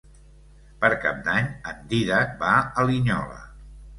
Per Cap d'Any en Dídac va a Linyola.